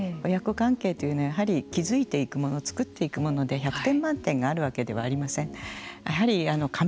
親子関係というのは築いていくものつくっていくもので１００点満点があるわけではありません。